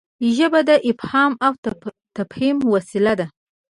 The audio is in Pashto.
ژبه د افهام او تفهیم وسیله ده.